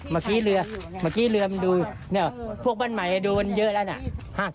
เมื่อกี้เรือมันดูพวกบ้านใหม่มันดูมันเยอะแล้วนะ